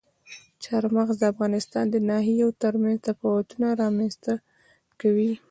چار مغز د افغانستان د ناحیو ترمنځ تفاوتونه رامنځ ته کوي.